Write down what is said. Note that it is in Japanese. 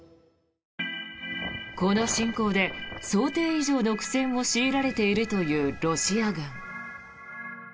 この侵攻で、想定以上の苦戦を強いられているというロシア軍。